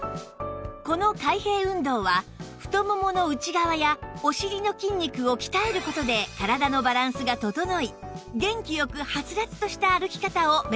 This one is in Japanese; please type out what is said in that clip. この開閉運動は太ももの内側やお尻の筋肉を鍛える事で体のバランスが整い元気よくハツラツとした歩き方を目指せるんです